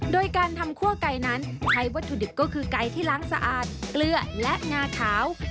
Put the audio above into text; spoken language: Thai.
โดยการทำคั่วไก่นั้นใช้วัตถุดิบก็คือไก่ที่ล้างสะอาดเกลือและงาขาว